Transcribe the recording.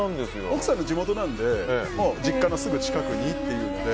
奥さんの地元なので実家のすぐ近くにっていうので。